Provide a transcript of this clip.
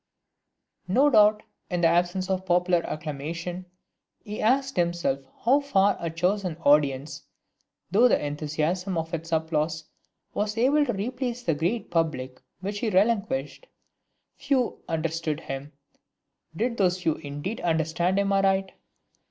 No doubt, in the absence of popular acclamation, he asked himself how far a chosen audience, through the enthusiasm of its applause, was able to replace the great public which he relinquished. Few understood him: did those few indeed understand him aright?